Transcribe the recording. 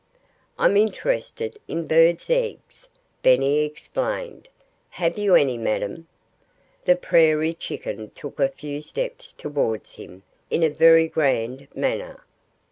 "I'm interested in birds' eggs," Benny explained. "Have you any, madam?" The prairie chicken took a few steps towards him, in a very grand manner.